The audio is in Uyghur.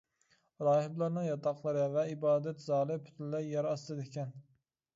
راھىبلارنىڭ ياتاقلىرى ۋە ئىبادەت زالى پۈتۈنلەي يەر ئاستىدا ئىكەن.